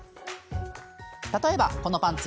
例えば、このパンツ。